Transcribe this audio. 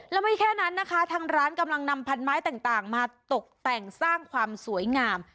แล้วไม่แค่นั้นนะคะทางร้านกำลังนำพันไม้ต่างมาตกแต่งสร้างความสวยงาม